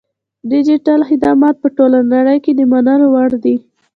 ډیجیټل خدمات په ټوله نړۍ کې د منلو وړ دي.